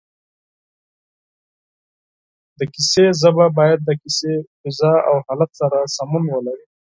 د کیسې ژبه باید د کیسې فضا او حالت سره سمون ولري